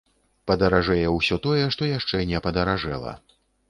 Падаражэе ўсё тое, што яшчэ не падаражэла.